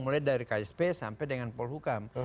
mulai dari ksp sampai dengan polhukam